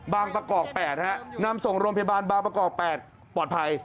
ประกอบ๘นำส่งโรงพยาบาลบางประกอบ๘ปลอดภัย